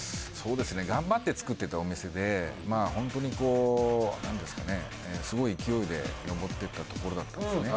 頑張って作ってたお店で本当にすごい勢いで上っていったところだったんですね。